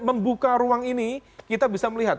dengan buka ruang ini kita bisa melihat